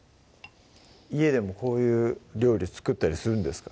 家でもこういう料理作ったりするんですか？